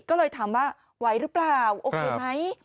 ก็เลยถามว่าไหวหรือเปล่าโอเคไหม